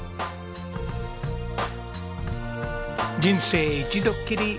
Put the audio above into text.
人生一度きり。